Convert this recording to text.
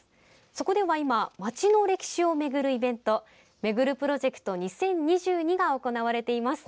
そこでは今街の歴史を巡るイベントＭＥＧＵＲＵＰｒｏｊｅｃｔ２０２２が行われています。